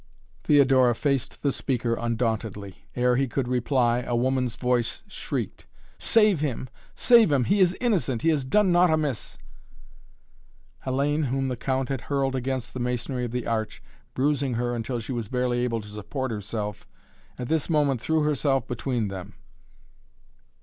Theodora faced the speaker undauntedly. Ere he could reply, a woman's voice shrieked. "Save him! Save him! He is innocent! He has done naught amiss!" Hellayne, whom the Count had hurled against the masonry of the arch, bruising her until she was barely able to support herself, at this moment threw herself between them.